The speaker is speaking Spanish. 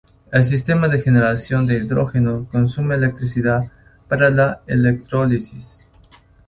El sistema de generación de hidrógeno consume electricidad para la electrólisis.